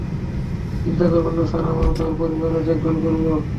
চিন্তা করবেন না স্যার, আমরা ওর পরিবারের দেখভাল করব।